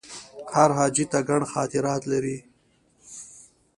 هر حاجي ته ګڼ خاطرات لري.